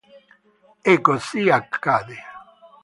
E così accade.